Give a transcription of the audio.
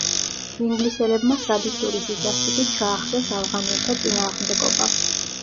ინგლისელებმა სადისტური სისასტიკით ჩაახშეს ავღანელთა წინააღმდეგობა.